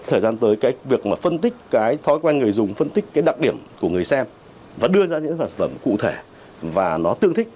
thời gian tới cái việc mà phân tích cái thói quen người dùng phân tích cái đặc điểm của người xem và đưa ra những sản phẩm cụ thể và nó tương thích